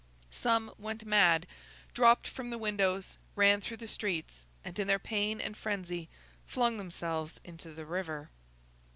Some went mad, dropped from the windows, ran through the streets, and in their pain and frenzy flung themselves into the river.